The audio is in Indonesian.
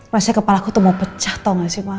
maksudnya kepala ku tuh mau pecah tau gak sih ma